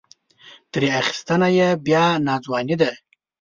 ترې اخیستنه یې بیا ناځواني ده.